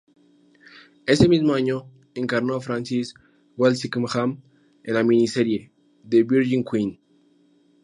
Ese mismo año encarnó a Francis Walsingham en la miniserie "The Virgin Queen".